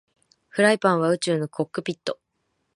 フライパンは宇宙のコックピット